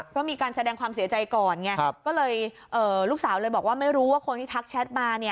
ก็มีการแสดงความเสียใจก่อนไงก็เลยลูกสาวเลยบอกว่าไม่รู้ว่าคนที่ทักแชทมา